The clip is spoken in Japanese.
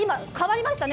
変わりましたね。